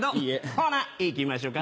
ほな行きましょか。